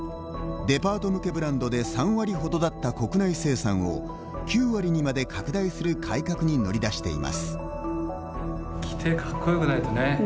デパート向けブランドで３割ほどだった国内生産を９割にまで拡大する改革に乗り出しています。